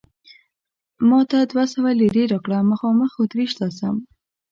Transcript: ما ته دوه سوه لیرې راکړه، مخامخ اتریش ته ځم.